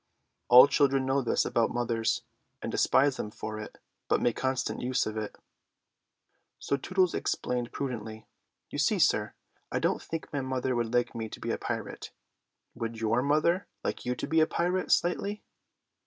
All children know this about mothers, and despise them for it, but make constant use of it. So Tootles explained prudently, "You see, sir, I don't think my mother would like me to be a pirate. Would your mother like you to be a pirate, Slightly?"